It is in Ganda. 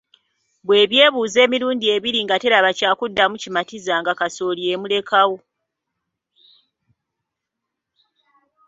Bwe by’ebuuza emilundi ebiri nga teraba kyakuddamu kimatiza nga kasooli emulekawo.